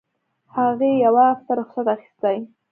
هغې يوه هفته رخصت اخيستى.